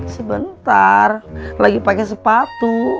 sebentar lagi pake sepatu